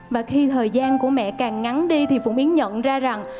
và khi thời gian của mẹ càng ngắn đi thì phụng yến nhận ra rằng